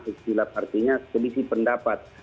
istilaf artinya selisih pendapat